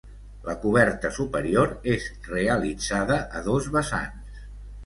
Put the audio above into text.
La coberta superior és realitzada a dos vessants.